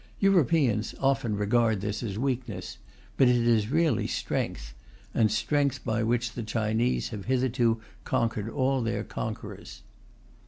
Europeans often regard this as weakness, but it is really strength, the strength by which the Chinese have hitherto conquered all their conquerors.